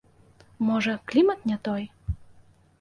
Можа, клімат не той?